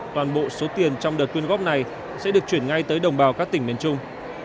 toàn bộ số tiền trong đợt quyên góp này sẽ được chuyển ngay tới đồng bào các tỉnh miền trung